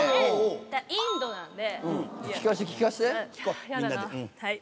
インドなんで。